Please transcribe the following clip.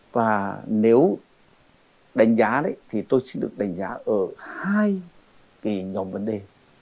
và nếu đánh giá thì tôi xin được đánh giá ở hai kỳ nhóm vấn đề